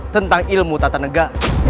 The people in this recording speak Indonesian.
tentang ilmu tata nega